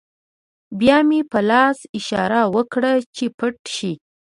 بیا مې په لاس اشاره وکړه چې پټ شئ